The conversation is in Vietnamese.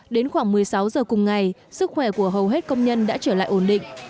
đến khoảng một mươi sáu giờ cùng ngày sức khỏe của hầu hết công nhân đã trở lại ổn định